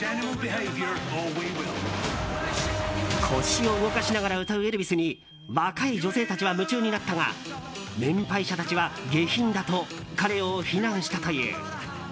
腰を動かしながら歌うエルヴィスに若い女性たちは夢中になったが年配者たちは下品だと彼を非難したという。